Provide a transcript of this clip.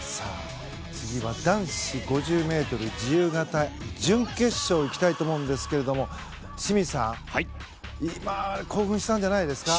次は男子５０ｍ自由形準決勝いきたいと思うんですけど清水さん、今興奮したんじゃないですか？